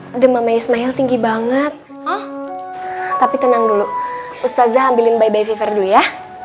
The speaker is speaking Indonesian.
udah mama ismail tinggi banget oh tapi tenang dulu ustaz ambilin bye bye fever do ya